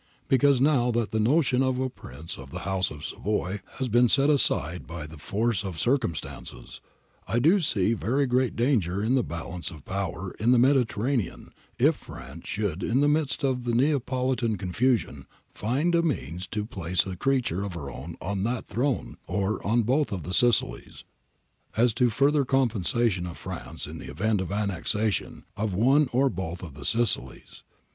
Because now that the notion of a Prince of the House of Savoy' [see his letter of May 1 8 above] ' has been set aside by the force of circumstances, I do see very great danger to the Balance of Power in the Mediterranean if France should in the midst of the Neapolitan confusion find means to place a creature of her own on that throne or on both of the Sicilies. As to further compensation to France in the event of annexation of one or both of the Sicilies